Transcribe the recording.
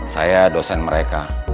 saya dosen mereka